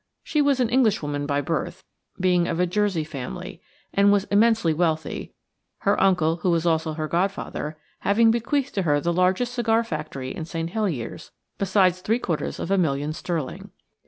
She was an Englishwoman by birth–being of a Jersey family–and was immensely wealthy, her uncle, who was also her godfather, having bequeathed to her the largest cigar factory in St. Heliers, besides three quarters of a million sterling.